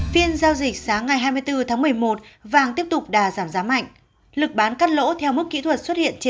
phiên giao dịch sáng ngày hai mươi bốn tháng một mươi một vàng tiếp tục đà giảm giá mạnh